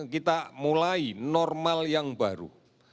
kita mulai normal yang baru